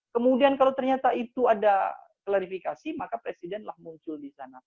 kemudian kalau ternyata itu ada klarifikasi maka presidenlah muncul di sana